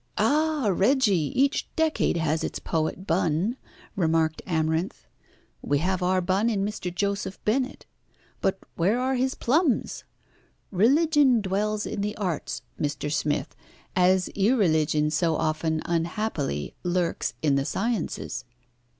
"Ah! Reggie, each decade has its poet Bunn," remarked Amarinth. "We have our Bunn in Mr. Joseph Bennett, but where are his plums? Religion dwells in the arts, Mr. Smith, as irreligion so often, unhappily, lurks in the sciences."